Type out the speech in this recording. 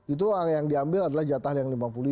itu yang diambil adalah jatah yang lima puluh lima